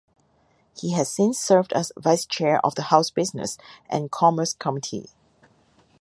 He has since served as vice chair of the House Business and Commerce Committee.